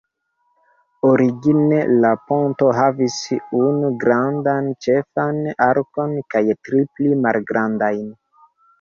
Origine la ponto havis unu grandan ĉefan arkon kaj tri pli malgrandajn.